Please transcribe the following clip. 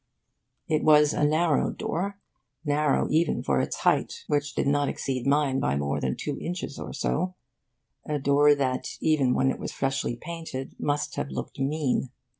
It was a narrow door narrow even for its height, which did not exceed mine by more than two inches or so; a door that even when it was freshly painted must have looked mean.